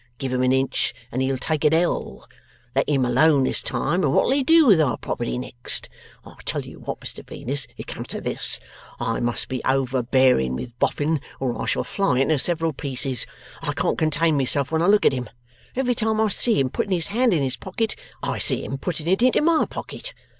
Give him an inch, and he'll take an ell. Let him alone this time, and what'll he do with our property next? I tell you what, Mr Venus; it comes to this; I must be overbearing with Boffin, or I shall fly into several pieces. I can't contain myself when I look at him. Every time I see him putting his hand in his pocket, I see him putting it into my pocket.